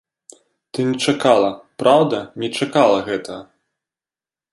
Ты не чакала, праўда, не чакала гэтага?